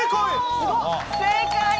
正解！